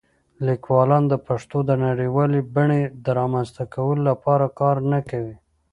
لیکوالان د پښتو د نړیوالې بڼې د رامنځته کولو لپاره کار نه کوي.